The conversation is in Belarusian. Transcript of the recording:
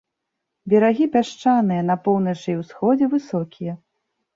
Берагі пясчаныя, на поўначы і ўсходзе высокія.